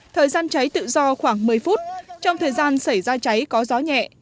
thời gian cháy tự do khoảng một mươi phút trong thời gian xảy ra cháy có gió nhẹ